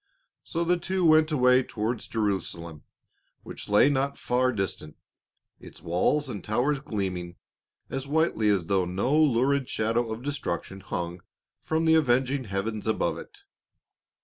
So the two went away towards Jerusalem, which lay not far distant, its walls and towers gleaming as whitely as though no lurid shadow of destruction hung from the avenging heavens above it.